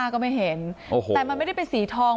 ก็ไม่เห็นโอ้โหแต่มันไม่ได้เป็นสีทอง